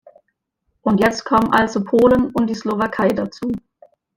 Und jetzt kommen also Polen und die Slowakei dazu.